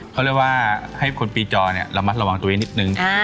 เขาเรียกว่าให้คนปีจอระมัดระวังตัวเองนิดนึง